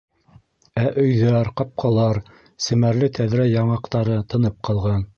Ә өйҙәр, ҡапҡалар, семәрле тәҙрә яңаҡтары тынып ҡалған.